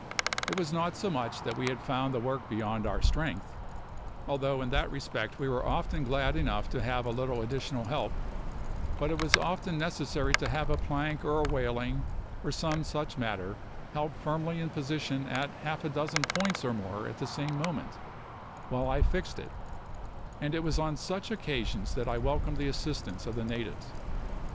It was not so much that we found the work beyond our strength although in that respect we were often glad enough to have a little additional help but it was often necessary to have a plank or a waling, or some such matter, held firmly in position at half a dozen points or more at the same moment, while I fixed it; and it was on such occasions that I welcomed the assistance of the natives.